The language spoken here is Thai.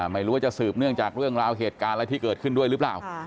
ไม่รู้ว่าจะสืบเนื่องจากเรื่องราวเหตุการณ์อะไรที่เกิดขึ้นด้วยหรือเปล่า